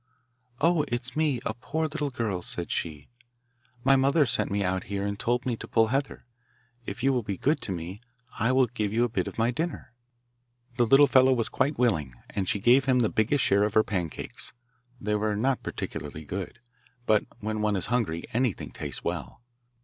'Oh, it's me, a poor little girl,' said she; 'my mother sent me out here, and told me to pull heather. If you will be good to me I will give you a bit of my dinner.' The little fellow was quite willing, and she gave him the biggest share of her pancakes. They were not particularly good, but when one is hungry anything tastes well.